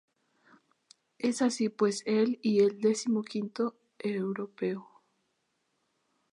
Es así pues el y el decimoquinto europeo.